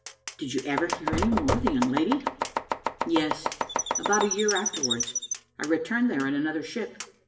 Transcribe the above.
"Did you ever hear any more of the young lady?" "Yes; about a year afterwards, I returned there in another ship.